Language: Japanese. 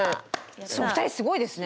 お二人すごいですね。